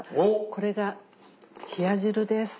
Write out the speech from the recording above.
これが冷や汁です。